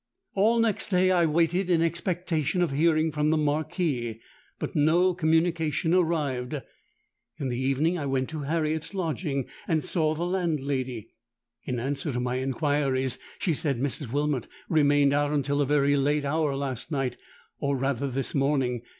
"All next day I waited in expectation of hearing from the Marquis; but no communication arrived. In the evening I went to Harriet's lodging, and saw the landlady. In answer to my inquiries, she said, 'Mrs. Wilmot remained out until a very late hour last night, or rather this morning.